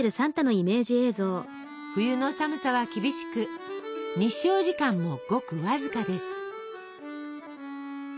冬の寒さは厳しく日照時間もごくわずかです。